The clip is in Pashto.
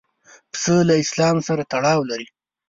پسه له اسلام سره تړاو لري.